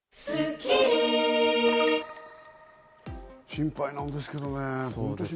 心配なんですけどね。